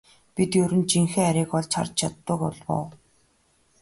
Бид ер нь жинхэнэ хайрыг олж харж чаддаг болов уу?